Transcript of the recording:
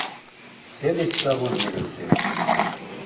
Селис сабурбируси?